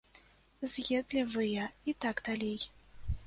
З'едлівыя і так далей.